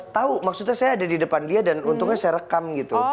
tahu maksudnya saya ada di depan dia dan untungnya saya rekam gitu